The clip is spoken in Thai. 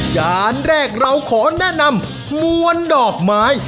จานแรกเราขอแนะนำมวลดอกไม้